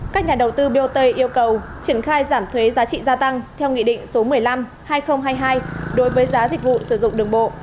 các nhà đầu tư bot yêu cầu triển khai giảm thuế giá trị gia tăng theo nghị định số một mươi năm hai nghìn hai mươi hai đối với giá dịch vụ sử dụng đường bộ